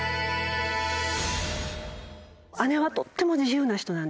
姉はとっても自由な人なんですよ。